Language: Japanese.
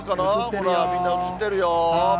ほら、みんな映ってるよ。